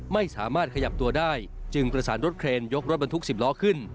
ไม่สามารถขยับตัวได้จึงประสานรถเครนยกรถบรรทุก๑๐ล้อขึ้น